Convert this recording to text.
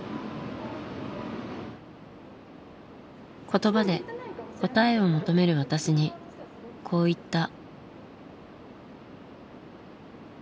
言葉で答えを求める私にこう言った。